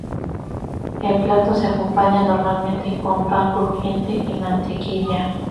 El plato se compaña normalmente con pan crujiente y mantequilla.